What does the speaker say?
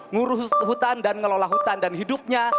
ngurus hutan dan ngelola hutan dan hidupnya